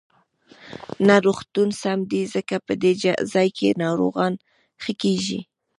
نو روغتون سم دی، ځکه په دې ځاى کې ناروغان ښه کېږي.